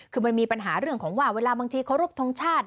คือมันมีปัญหาเรื่องของว่าเวลาบางทีเคารพทงชาติ